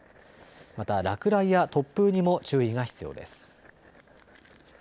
また落雷や突風にも注意が必要です。